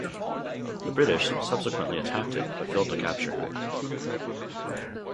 The British subsequently attacked it but failed to capture him.